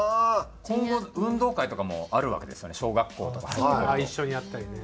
今後運動会とかもあるわけですよね小学校とか。ああ一緒にやったりね。